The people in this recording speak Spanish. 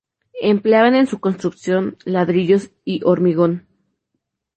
Empleaban en su construcción ladrillos y hormigón.